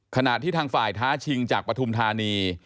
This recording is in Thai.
ขณะที่ทางฝ่ายท้าชิงจากปฐุมธานี